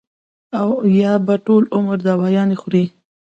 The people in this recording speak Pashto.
او يا به ټول عمر دوايانې خوري -